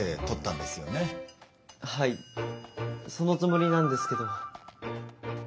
はいそのつもりなんですけど。